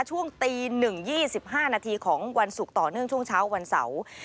ช่วงตี๑๒๕นาทีของวันศุกร์ต่อเนื่องช่วงเช้าวันเสาร์